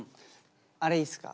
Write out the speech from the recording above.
あれいいっすか。